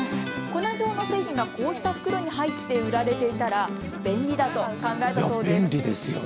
粉状の製品がこうした袋に入って売られていたら便利だと考えたそうです。